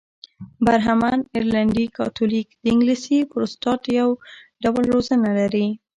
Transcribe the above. برهمن، ارلنډي کاتولیک او انګلیسي پروتستانت یو ډول روزنه لري.